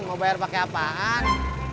mau bayar pakai apaan